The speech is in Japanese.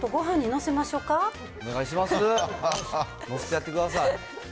載せてやってください。